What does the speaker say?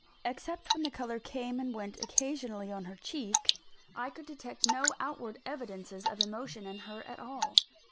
Except when the colour came and went occasionally on her cheek, I could detect no outward evidences of emotion in her at all.